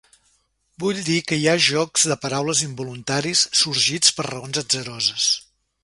Vull dir que hi ha jocs de paraules involuntaris, sorgits per raons atzaroses.